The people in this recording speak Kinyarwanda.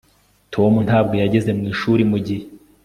tom ntabwo yageze mwishuri mugihe